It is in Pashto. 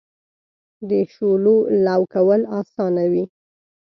د شولو لو کول اسانه وي.